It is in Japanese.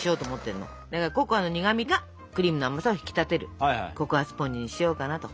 ココアの苦みがクリームの甘さを引き立てるココアスポンジにしようかなと。